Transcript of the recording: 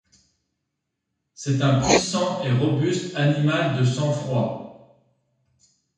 C'est un puissant et robuste animal de sang froid.